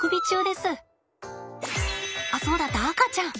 あそうだった赤ちゃん！